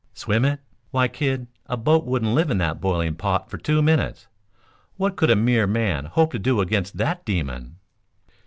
"Swim it? Why, kid a boat wouldn't live in that boiling pot for two minutes. What could a mere man hope to do against that demon?"